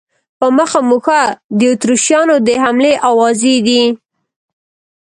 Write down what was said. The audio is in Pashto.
په مخه مو ښه، د اتریشیانو د حملې آوازې دي.